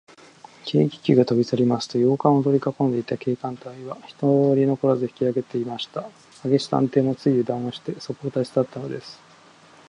軽気球がとびさりますと、洋館をとりかこんでいた警官隊は、ひとり残らず引きあげてしまいました。明智探偵も、ついゆだんをして、そこを立ちさったのです。